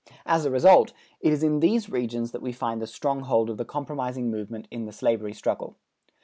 As a result, it is in these regions that we find the stronghold of the compromising movement in the slavery struggle.